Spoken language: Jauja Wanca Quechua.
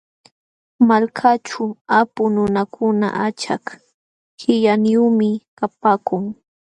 Malkaaćhu apu nunakuna achak qillaniyuqmi kapaakun.